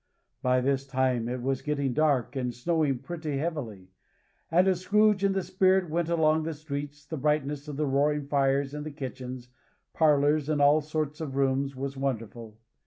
By this time it was getting dark and snowing pretty heavily; and as Scrooge and the Spirit went along the streets, the brightness of the roaring fires in kitchens, parlors, and all sorts of rooms, was wonderful.